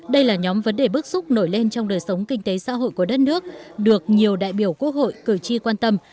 đây là nhóm vấn đề bước xúc nổi lên trong đời sống kinh tế xã hội của đất nước được nhiều đại biểu quốc hội cử tri quan tâm